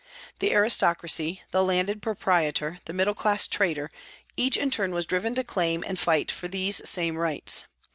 The aristocracy, the landed proprietor, the middle class trader, each in turn was driven to claim and fight for these same rights.